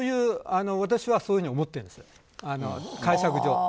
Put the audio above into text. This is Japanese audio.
私はそういうふうに思ってるんです、解釈上。